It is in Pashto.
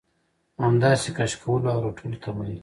همداسې کش کولو او رټلو ته وايي.